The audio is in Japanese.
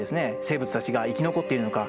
生物たちが生き残っているのか。